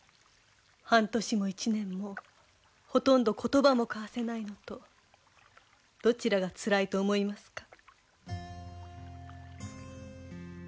半年も１年もほとんど言葉も交わせないのとどちらがつらいと思いますか？